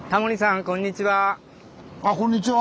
あこんにちは！